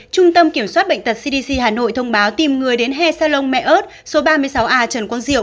trung tâm kiểm soát bệnh tật cdc hà nội thông báo tìm người đến he salon mẹ ơt số ba mươi sáu a trần quang diệu